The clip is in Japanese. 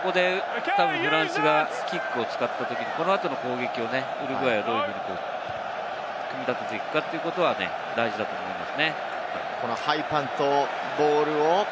ここでフランスがキックを使ったとき、この後の攻撃をウルグアイはどう組み立てていくかが大事だと思います。